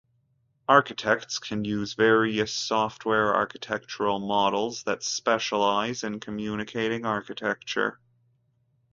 Architects can use various software architectural models that specialize in communicating architecture.